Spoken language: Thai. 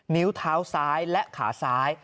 นิ้วเท้าซ้ายและขาซ้าย